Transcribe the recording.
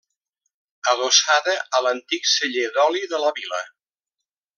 Adossada a l'antic celler d'oli de la vila.